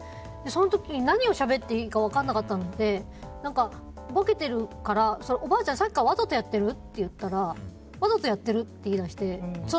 その時に何をしゃべっていいか分からなかったのでぼけてるからおばあちゃん、さっきからわざとやってる？って言ったらわざとやってるって言い出して。